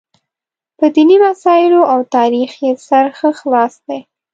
په دیني مسایلو او تاریخ یې سر ښه خلاص دی.